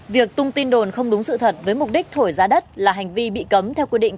việc tung tin đồn không đúng sự thật với mục đích thổi giá đất là hành vi bị cấm theo quy định